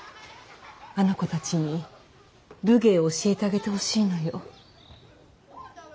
あの子たちに武芸を教えてあげてほしいのよ。